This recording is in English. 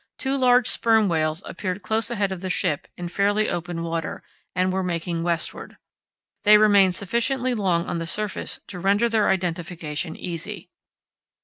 two large sperm whales appeared close ahead of the ship in fairly open water, and were making westward. They remained sufficiently long on the surface to render their identification easy.